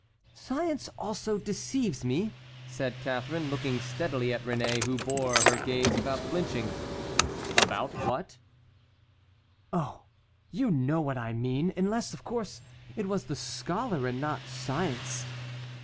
"Science also deceives me," said Catharine, looking steadily at Réné, who bore her gaze without flinching. "About what?" "Oh! you know what I mean; unless, of course, it was the scholar and not science."